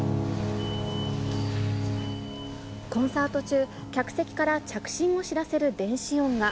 コンサート中、客席から着信を知らせる電子音が。